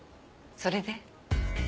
それで？